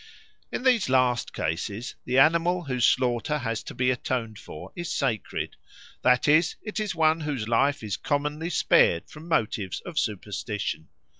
In these last cases the animal whose slaughter has to be atoned for is sacred, that is, it is one whose life is commonly spared from motives of superstition.